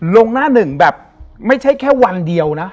ลงหน้าหนึ่งแบบไม่ใช่แค่วันเดียวนะ